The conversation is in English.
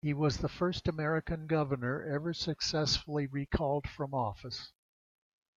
He was the first American governor ever successfully recalled from office.